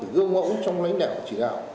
gương ngẫu trong lãnh đạo chỉ đạo